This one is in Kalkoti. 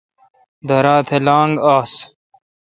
دراتھ لاگ آس۔